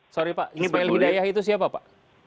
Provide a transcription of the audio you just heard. sorry pak ismail hidayah itu siapa pak